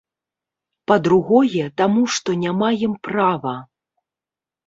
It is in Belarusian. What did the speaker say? Па-другое, таму што не маем права.